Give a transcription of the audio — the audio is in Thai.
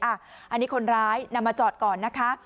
อันนี้คนร้ายนำมาจอดก่อนนะคะ